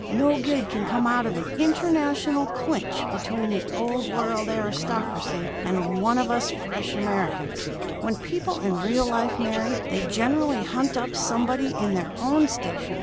No good can come out of an international clinch between the Old World aristocracy and one of us fresh Americans. When people in real life marry, they generally hunt up somebody in their own station.